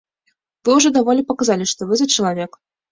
Вы ўжо даволі паказалі, што вы за чалавек.